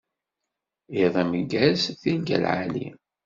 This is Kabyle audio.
Iḍ ameggaz, tirga lɛali.